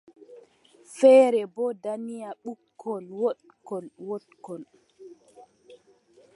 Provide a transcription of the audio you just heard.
Feere boo danya ɓikkon wooɗkon, wooɗkon.